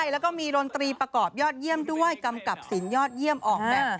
แล้วก็มีดนตรีประกอบยอดเยี่ยมด้วยกำกับสินยอดเยี่ยมออกแบบ